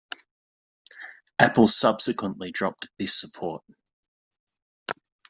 Apple subsequently dropped this support.